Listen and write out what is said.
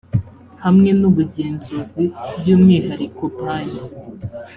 hamwe n ubugenzuzi by umwihariko banki